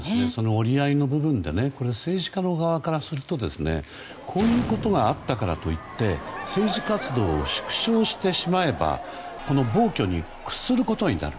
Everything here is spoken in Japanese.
折り合いの部分で政治家の側からするとこういうことがあったからといって政治活動を縮小してしまえばこの暴挙に屈することになる。